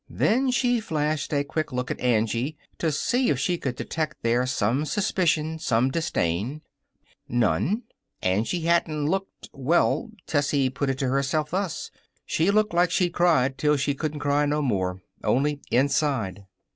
Then she flashed a quick look at Angie, to see if she could detect there some suspicion, some disdain. None. Angie Hatton looked well, Tessie put it to herself, thus: "She looks like she'd cried till she couldn't cry no more only inside."